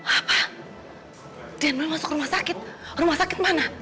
apa dan boy masuk rumah sakit rumah sakit mana